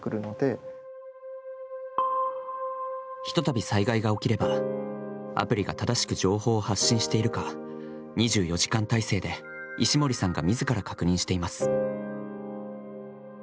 ひとたび災害が起きれば、アプリが正しく情報を発信しているか、２４時間体制で石森さんが自ら確認しています。